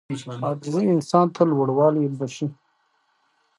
عاجزي انسان ته لوړوالی بښي.